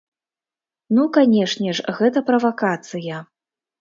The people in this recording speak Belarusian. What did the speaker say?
Ну, канешне ж, гэта правакацыя!